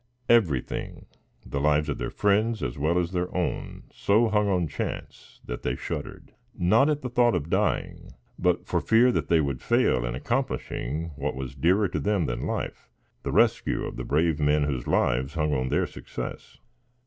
Everything the lives of their friends as well as their own so hung on chance, that they shuddered; not at the thought of dying, but for fear they would fail in accomplishing what was dearer to them than life, the rescue of the brave men whose lives hung on their success.